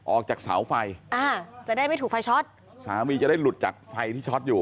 ออกจากเสาไฟอ่าจะได้ไม่ถูกไฟช็อตสามีจะได้หลุดจากไฟที่ช็อตอยู่